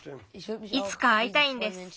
いつかあいたいんです。